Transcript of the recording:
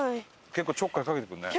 結構ちょっかいかけてくるね。